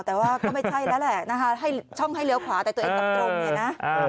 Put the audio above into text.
แต่ว่าก็ไม่ใช่แล้วแหละนะคะให้ช่องให้เลี้ยวขวาแต่ตัวเองกลับตรงเนี่ยนะ